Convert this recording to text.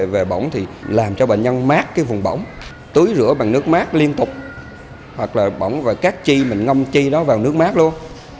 về bỏng thì làm cho bệnh nhân mát cái vùng bỏng túi rửa bằng nước mát liên tục hoặc là bỏng và cát chi mình ngâm chi nó vào nước mát luôn